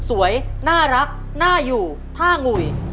สวยน่ารักน่าอยู่ท่างุ่ย